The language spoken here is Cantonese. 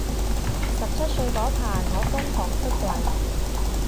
十七歲嗰排我瘋狂出櫃